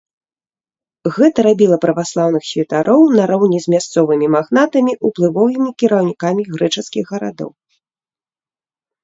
Гэта рабіла праваслаўных святароў, нароўні з мясцовымі магнатамі, уплывовымі кіраўнікамі грэчаскіх гарадоў.